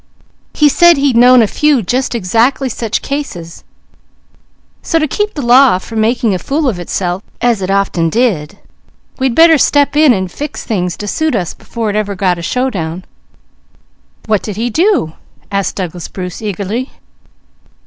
He said he'd known a few just exactly such cases; so to keep the law from making a fool of itself, as it often did, we'd better step in and fix things to suit us before it ever got a showdown." "What did he do?" asked Douglas Bruce eagerly.